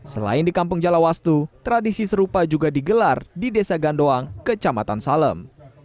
selain di kampung jalawastu tradisi serupa juga digelar di desa gandoang kecamatan salem